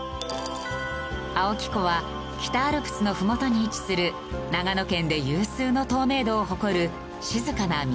青木湖は北アルプスのふもとに位置する長野県で有数の透明度を誇る静かな湖。